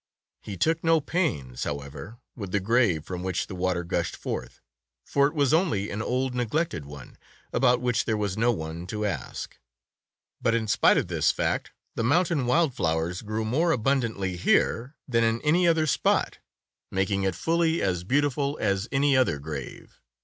He took no pains, however, with the grave from which the water gushed forth, for it was only an old neglected one, about which there was no one to ask. But despite this fact, the mountain wild flowers grew more abundantly here than in loo Tales of Modern Germany any other spot, making it fully as beautiful as any other grave.